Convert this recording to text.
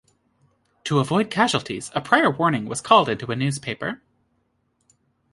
To avoid casualties, a prior warning was called into a newspaper.